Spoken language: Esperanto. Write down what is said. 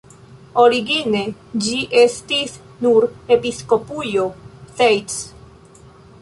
Origine ĝi estis nur episkopujo Zeitz.